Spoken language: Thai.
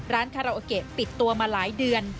คาราโอเกะปิดตัวมาหลายเดือน